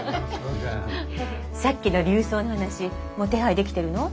さっきの琉装の話もう手配できてるの？